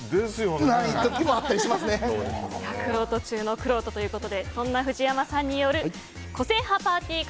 くろうと中のくろうとということでそんな藤山さんによる個性派パーティー